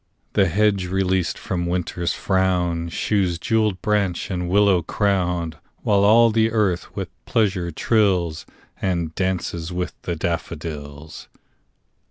The hedge released from Winter's frown Shews jewelled branch and willow crown; While all the earth with pleasure trills, And 'dances with the daffodils.